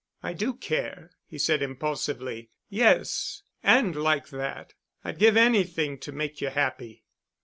"I do care," he said impulsively. "Yes—and like that. I'd give anything to make you happy."